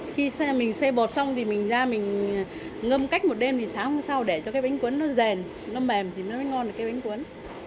khi xe mình xây bột xong thì mình ra mình ngâm cách một đêm thì sáng hôm sau để cho cái bánh quấn nó rèn nó mềm thì nó mới ngon được cái bánh cuốn